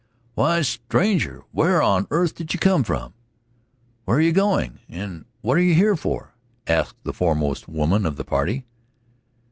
"Why, stranger! Where on earth did you come from? Where are you going, and what are you here for?" asked the foremost woman of the party.